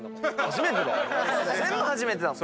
全部初めてだもん。